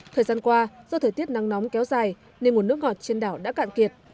thời gian qua do thời tiết nắng nóng kéo dài nên nguồn nước ngọt trên đảo đã cạn kiệt